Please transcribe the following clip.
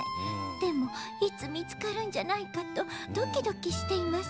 でもいつみつかるんじゃないかとドキドキしています。